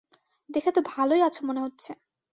দেখে তো ভালোই আছো মনে হচ্ছে।